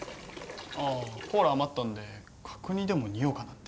ああコーラ余ったんで角煮でも煮ようかなって。